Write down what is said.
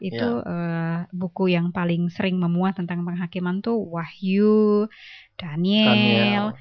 itu buku yang paling sering memuat tentang penghakiman tuh wahyu daniel